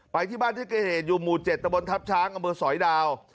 ไปที่บ้านที่เกิดเหตุอยู่หมู่๗ตะบนทัพช้างอำเภอสอยดาว